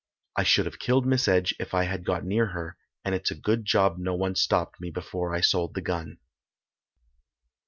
I should have killed Miss Edge if I had got near her, and it's a good job no one stopped me before I sold the gun."